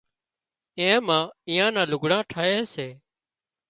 اين مان ايئان نان لگھڙان ٺاهي سي